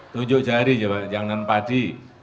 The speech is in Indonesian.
tunjuk jari yang nanem padi